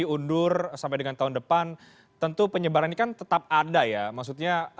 dua puluh lima orang tiga puluh dua puluh lima tiga puluh gitu